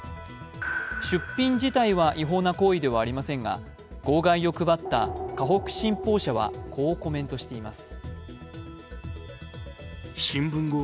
出品自体は違法な行為ではありませんが号外を配った河北新報社はこうコメントしています。